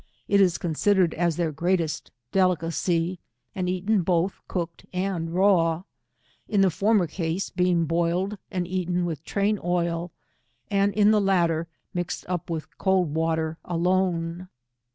It is considered as their greatest delicacy, and eaten both cooked and raw : in the former case, being boiled and eaten with train oil, and in the latter, mixed up with cold water alone.